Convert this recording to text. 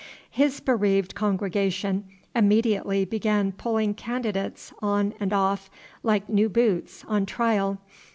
His bereaved congregation immediately began pulling candidates on and off, like new boots, on trial.